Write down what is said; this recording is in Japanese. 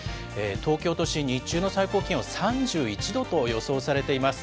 東京都心、日中の最高気温３１度と予想されています。